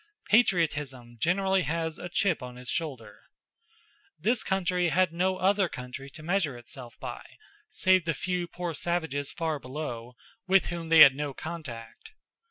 Patriotism generally has a chip on its shoulder. This country had no other country to measure itself by save the few poor savages far below, with whom they had no contact.